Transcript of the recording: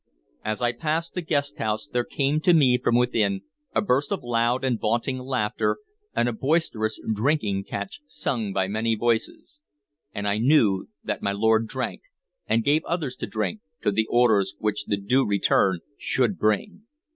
As I passed the guest house, there came to me from within a burst of loud and vaunting laughter and a boisterous drinking catch sung by many voices; and I knew that my lord drank, and gave others to drink, to the orders which the Due Return should bring.